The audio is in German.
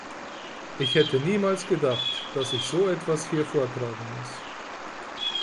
Ich hätte niemals gedacht, dass ich so etwas hier vortragen muss.